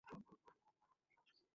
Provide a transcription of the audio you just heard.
না, ক্যামি, সিটে গিয়ে বসে পড়ো!